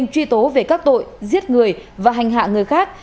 truy tố về các tội giết người và hành hạ người khác